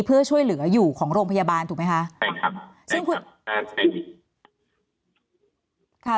เพื่อช่วยเหลืออยู่ของโรงพยาบาลถูกไหมคะ